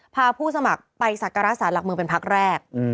ผู้สมัครไปสักการะสารหลักเมืองเป็นพักแรก